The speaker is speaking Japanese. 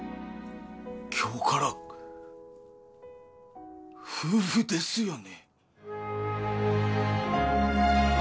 今日から夫婦ですよね